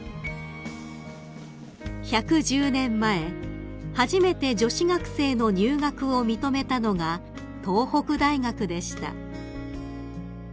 ［１１０年前初めて女子学生の入学を認めたのが東北大学でした］